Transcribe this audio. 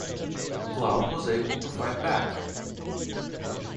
Cloud was able to fight back.